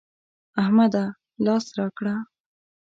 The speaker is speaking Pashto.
احمده! لاس راکړه.